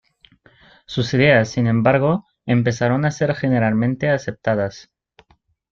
Sus ideas, sin embargo, empezaron a ser generalmente aceptadas.